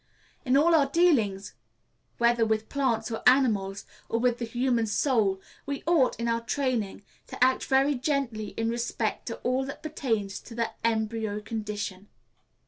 In all our dealings, whether with plants, or animals, or with the human soul, we ought, in our training, to act very gently in respect to all that pertains to the embryo condition.